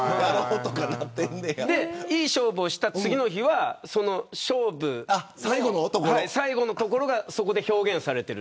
いい勝負をした次の日は勝負の最後のところがそこで表現されている。